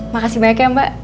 makasih banyak ya mbak